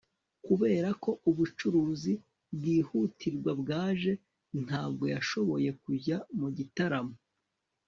kubera ko ubucuruzi bwihutirwa bwaje, ntabwo yashoboye kujya mu gitaramo